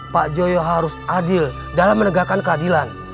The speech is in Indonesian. pak joyo harus adil dalam menegakkan keadilan